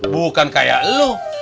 bukan kayak lo